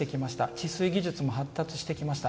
治水技術も発達してきました。